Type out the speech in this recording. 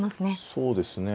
そうですね。